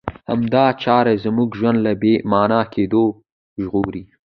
همدا چاره زموږ ژوند له بې مانا کېدو ژغوري.